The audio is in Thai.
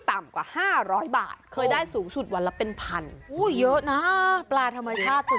ต่ำกว่า๕๐๐บาทเคยได้สูงสุดวันละเป็นพันอุ้ยเยอะนะปลาธรรมชาติสุด